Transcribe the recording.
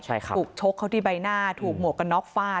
ถูกโชคเขาที่ใบหน้าถูกหมวกกันน็อกฟ้า